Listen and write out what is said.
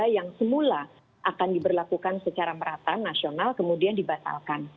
yang semula akan diberlakukan secara merata nasional kemudian dibatalkan